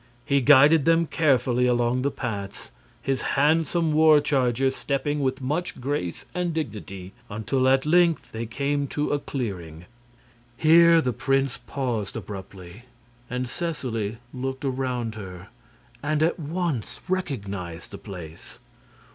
He guided them carefully along the paths, his handsome war charger stepping with much grace and dignity, until at length they came to a clearing. Here the prince paused abruptly, and Seseley looked around her and at once recognized the place.